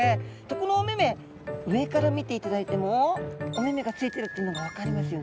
このお目々上から見ていただいてもお目々がついてるっていうのが分かりますよね。